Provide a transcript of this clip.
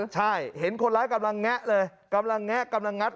ใช่เห็นคนร้ายกำลังแงะเลยกำลังแงะกำลังงัด